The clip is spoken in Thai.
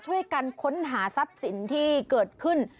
ช่วยกันค้นหาทรัพย์สินที่เกิดขึ้น